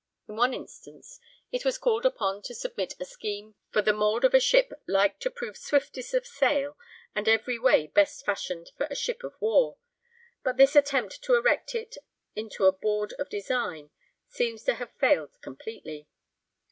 In one instance it was called upon to submit a scheme 'for the mould of a ship like to prove swiftest of sail and every way best fashioned for a ship of war,' but this attempt to erect it into a board of design seems to have failed completely.